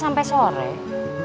ya terima kasih